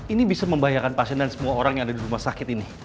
ini bisa membahayakan pasien dan semua orang yang ada di rumah sakit ini